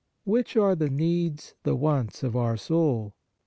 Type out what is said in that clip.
Which are the needs, the wants of our soul?